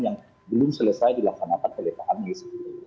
yang belum selesai dilaksanakan oleh pak anies